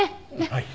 はい。